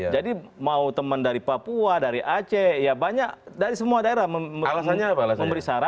jadi mau teman dari papua dari aceh ya banyak dari semua daerah memberi saran